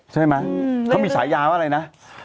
ใช่มั้ยเขามีสายยาวอะไรนะ